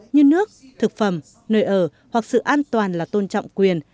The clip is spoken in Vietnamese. như nước thực phẩm nơi ở hoặc sự an toàn là tôn trọng quyền